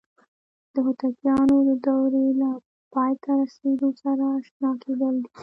د هوتکیانو د دورې له پای ته رسیدو سره آشنا کېدل دي.